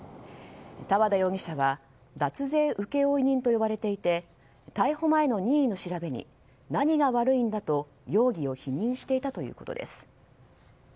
多和田容疑者は脱税請負人と呼ばれていて逮捕前の任意の調べに何が悪いんだと容疑を否認していたということです。